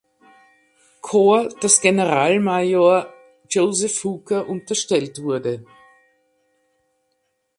Korps, das Generalmajor Joseph Hooker unterstellt wurde.